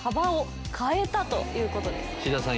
志田さん